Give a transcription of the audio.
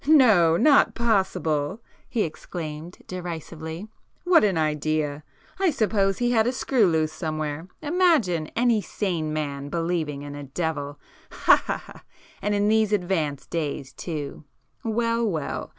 "No! Not possible!" he exclaimed derisively—"What an idea! I suppose he had a screw loose somewhere! Imagine any sane man believing in a devil! Ha, ha, ha! And in [p 95] these advanced days too! Well, well!